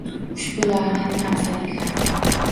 Ushbu loyihaning afzalliklari: